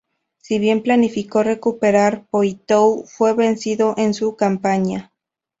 Si bien planificó recuperar Poitou, fue vencido en su campaña.